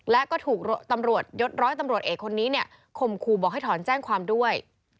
และก็ถูกตำรวจยศร้อยตำรวจเอกคนนี้เนี่ยข่มขู่บอกให้ถอนแจ้งความด้วย